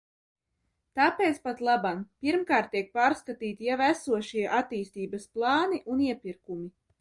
Tāpēc patlaban, pirmkārt, tiek pārskatīti jau esošie attīstības plāni un iepirkumi.